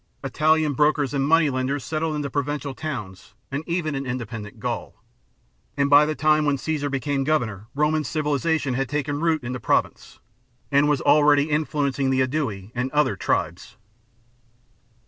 Italian brokers and money lenders settled in the pro vincial towns and even in independent Gaul ; and by the time when Caesar became Governor Roman civilization had taken root in the Province and was already influencing the Aedui and other tribes.